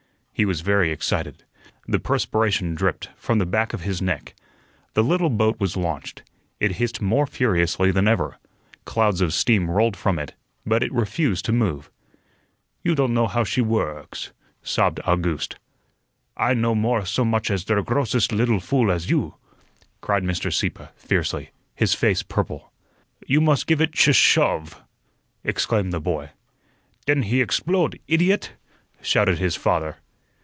He was very excited. The perspiration dripped from the back of his neck. The little boat was launched. It hissed more furiously than ever. Clouds of steam rolled from it, but it refused to move. "You don't know how she wo rks," sobbed August. "I know more soh mudge as der grossest liddle fool as you," cried Mr. Sieppe, fiercely, his face purple. "You must give it sh shove!" exclaimed the boy. "Den he eggsplode, idiot!" shouted his father.